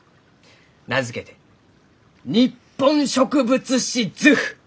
名付けて「日本植物志図譜」。